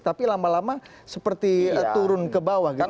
tapi lama lama seperti turun ke bawah gitu